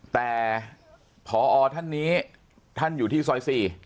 แต่พอท่านนี้ท่านอยู่ที่ซอย๔